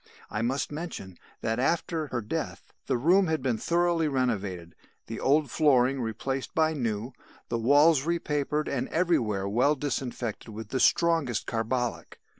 "I must mention that after her death, the room had been thoroughly renovated, the old flooring replaced by new, the walls repapered and everywhere well disinfected with the strongest carbolic.